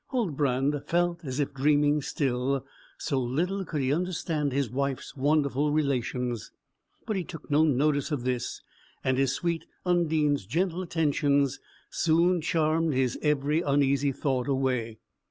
Huldbrand felt as if dreaming still, so little could he understand his wife's wonderful relations. But he took no notice of this, and his sweet Undine's gentle attentions soon charmed every uneasy thought away.